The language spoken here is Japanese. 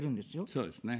そうですね。